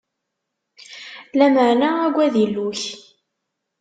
Lameɛna agad Illu-ik.